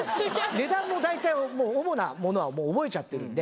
値段も大体、主なものはもう覚えちゃってるんで。